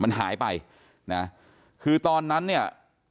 มันหายไปนะคือตอนนั้นเนี่ย